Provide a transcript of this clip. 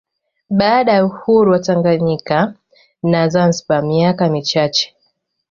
Baada ya uhuru wa Tanganyika na Zanzibar miaka michache